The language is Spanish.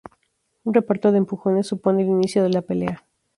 Un reparto de empujones supone el inicio de la pelea.